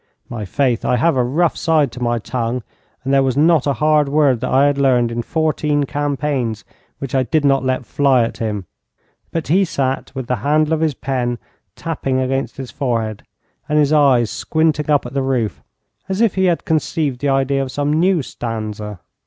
My faith, I have a rough side to my tongue, and there was not a hard word that I had learned in fourteen campaigns which I did not let fly at him; but he sat with the handle of his pen tapping against his forehead and his eyes squinting up at the roof as if he had conceived the idea of some new stanza.